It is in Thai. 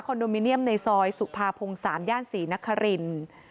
โดมิเนียมในซอยสุภาพง๓ย่านศรีนครินทร์